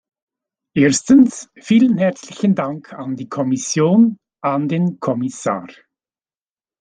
Erstens, vielen herzlichen Dank an die Kommission, an den Kommissar.